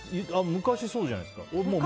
昔、そうじゃないですか。